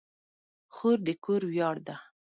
خور د کور ویاړ ده.